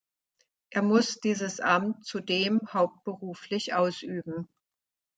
Er muss dieses Amt zudem hauptberuflich ausüben.